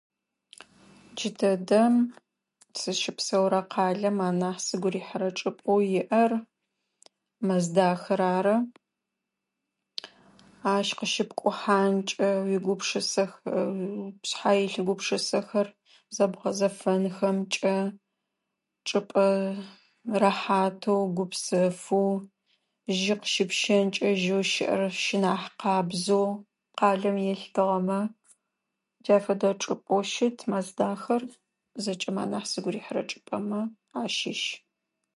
Джыдэдэм сызщыпсэурэ къалэм анахь сыгу рихьырэ чӏыпӏэу иӏэр мэздахэр ары. Ащ къыщыпкӏухьанкӏэ, уегупшысэхэ, пшхъэ илъ гупшысэхэр зэбгъэзэфэнхэмкӏэ. Чӏыпӏэ рэхьатэу, гупсэфоу, жьы къыщыпщэнкӏэ, жьэу щыӏэр щынахь къабзэу. Къалэм елъытыгъэмэ. Джа фэдэ чӏыпӏэу щыт мэздахэр. Зэкӏэмэ анахь сыгу рихьырэ чӏыпӏэмэ ащыщ.